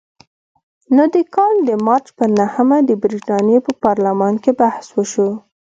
نو د کال د مارچ په نهمه د برتانیې په پارلمان کې بحث وشو.